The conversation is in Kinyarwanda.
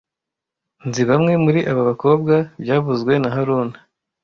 Nzi bamwe muri aba bakobwa byavuzwe na haruna